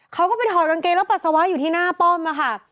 เขาก็ไปถอดกางเกงแล้วปัสสาวะอยู่ที่หน้าป้อมค่ะ